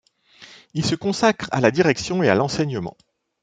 Il se consacre à la direction et à l'enseignement.